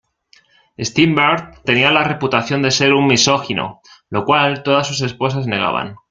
Strindberg tenía la reputación de ser un misógino, lo cual todas sus esposas negaban.